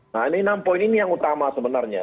nah ini enam poin ini yang utama sebenarnya